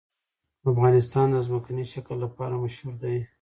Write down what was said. افغانستان د ځمکنی شکل لپاره مشهور دی.